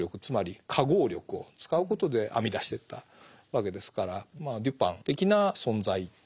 つまり化合力を使うことで編み出してったわけですからまあデュパン的な存在